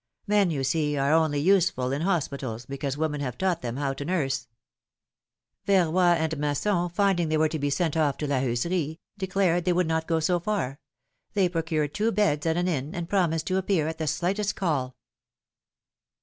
Men, you see, are only useful in hos pitals, because women have taught them how to nurse." Y erroy and Masson, finding they were to be sent off to La Heuserie, declared they would not go so far; they pro cured two beds at an inn, and promised to appear at the slightest call.